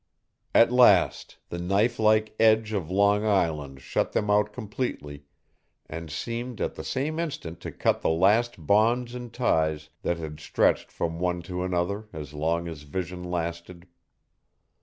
At last the knifelike edge of Long Island shut them out completely, and seemed at the same instant to cut the last bonds and ties that had stretched from one to another as long as vision lasted.